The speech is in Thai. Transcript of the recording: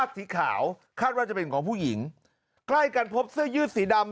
สีขาวคาดว่าจะเป็นของผู้หญิงใกล้กันพบเสื้อยืดสีดำ